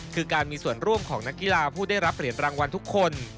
คือการมีส่วนร่วมของนักกีฬาผู้ได้รับเหรียญรางวัลทุกคน